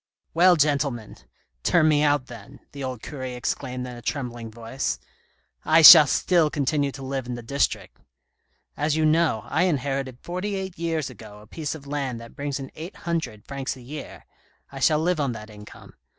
" Well, gentlemen, turn me out then," the old cure exclaimed in a trembling voice ;" I shall still continue to live in the district. As you know, I inherited forty eight years ago a piece of land that brings in eight hundred francs a year ; I shall live on that income.